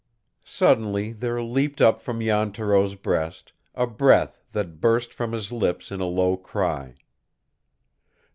Suddenly there leaped up from Jan Thoreau's breast a breath that burst from his lips in a low cry.